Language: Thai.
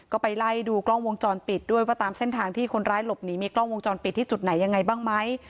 ก็ไปไล่ดูกล้องวงจรปิดด้วยว่าตามเส้นทางที่คนร้ายหลบหนีมีกล้องวงจรปิดที่จุดไหนยังไงบ้างไหม